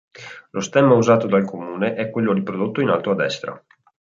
Lo stemma usato dal comune è quello riprodotto in alto a destra.